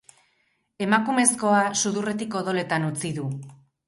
Emakumezkoa sudurretik odoletan utzi du.